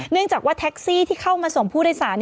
จากว่าแท็กซี่ที่เข้ามาส่งผู้โดยสาร